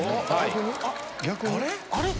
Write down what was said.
あれ？